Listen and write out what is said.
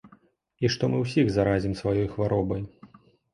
І што мы ўсіх заразім сваёй хваробай.